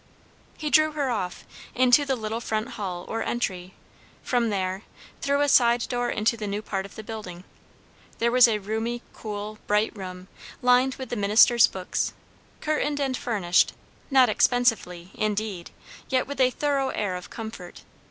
He drew her off, into the little front hall or entry; from there, through a side door into the new part of the building. There was a roomy, cool, bright room, lined with the minister's books; curtained and furnished, not expensively, indeed, yet with a thorough air of comfort.